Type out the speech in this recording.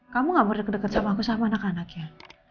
kamu gak mau deket deket sama aku sama anak anaknya